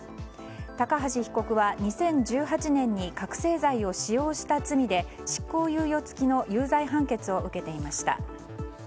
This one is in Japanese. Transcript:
高橋被告は２０１８年に覚醒剤を使用した罪で執行猶予付きの有罪判決を受けていました。